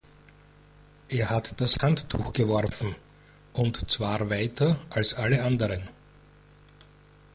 Er hat das Handtuch geworfen, und zwar weiter als alle anderen